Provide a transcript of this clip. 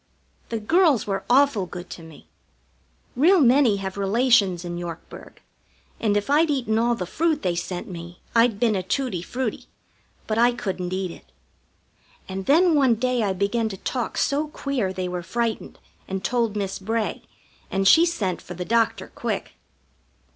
The girls were awful good to me. Real many have relations in Yorkburg, and if I'd eaten all the fruit they sent me I'd been a tutti frutti; but I couldn't eat it. And then one day I began to talk so queer they were frightened, and told Miss Bray, and she sent for the doctor quick.